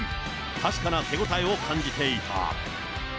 確かな手応えを感じていた。